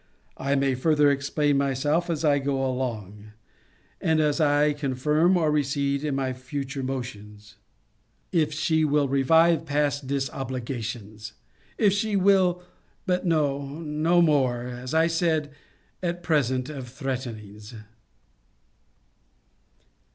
I may further explain myself as I go along; and as I confirm or recede in my future motions. If she will revive past disobligations! If she will But no more, no more, as I said, at present, of threatenings.